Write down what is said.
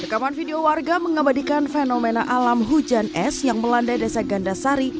rekaman video warga mengabadikan fenomena alam hujan es yang melandai desa gandasari